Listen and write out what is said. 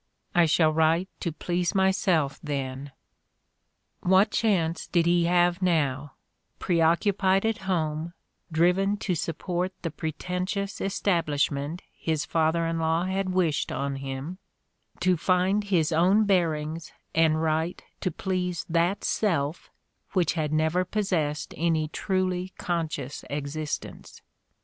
I shall write to please myself then." What chance did he have now, preoccupied at home, driven to support the pretentious establishment his father in law had wished on him, to find his own bearings and write to please that "self" which had never possessed any truly conscious existence